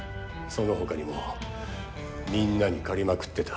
そのほかにもみんなに借りまくってた。